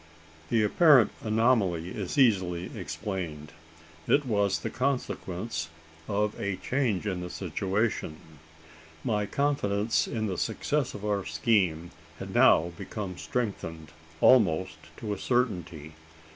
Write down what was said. The apparent anomaly is easily explained. It was the consequence of a change in the situation. My confidence in the success of our scheme had now become strengthened almost to a certainty.